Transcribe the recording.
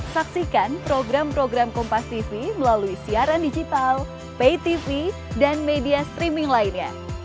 saksikan program program kompastv melalui siaran digital paytv dan media streaming lainnya